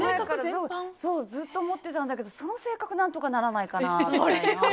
ずっと思ってたんだけどその性格何とかならないかなって。